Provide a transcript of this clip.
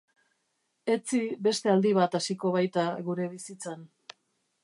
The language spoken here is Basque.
Etzi beste aldi bat hasiko baita gure bizitzan.